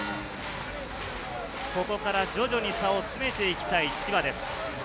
ここから徐々に差を詰めていきたい千葉。